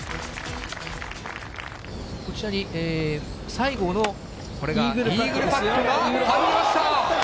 こちらに西郷の、これがイーグルパットが、入りました。